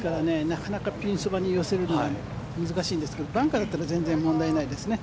なかなかピンそばに寄せるの難しいですがバンカーだったら全然問題ないですね。